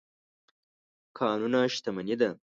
کانونه شتمني ده.